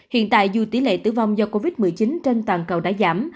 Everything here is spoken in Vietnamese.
hiện tại dù tỷ lệ tử vong do covid một mươi chín trên toàn cầu đã giảm